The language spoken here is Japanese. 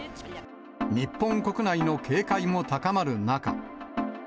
日本国内の警戒も高まる中。